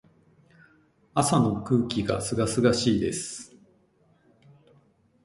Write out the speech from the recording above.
朝の空気が清々しいです。